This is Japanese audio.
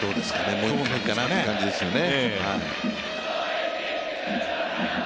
もう１回という感じですかね